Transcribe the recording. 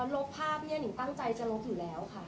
ลบภาพเนี่ยนิงตั้งใจจะลบอยู่แล้วค่ะ